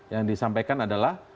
yang disampaikan adalah